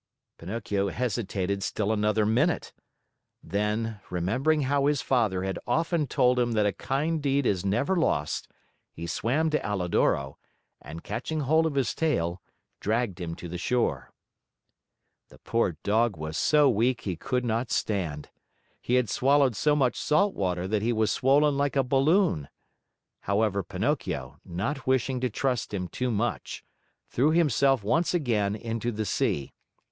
Pinocchio hesitated still another minute. Then, remembering how his father had often told him that a kind deed is never lost, he swam to Alidoro and, catching hold of his tail, dragged him to the shore. The poor Dog was so weak he could not stand. He had swallowed so much salt water that he was swollen like a balloon. However, Pinocchio, not wishing to trust him too much, threw himself once again into the sea.